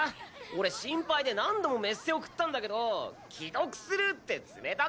俺心配で何度もメッセ送ったんだけど既読スルーって冷たくない！？